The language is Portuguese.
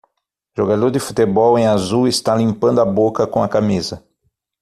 Jogador de futebol em azul está limpando a boca com a camisa